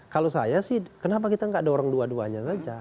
kalau saya sih kenapa kita nggak dorong dua duanya saja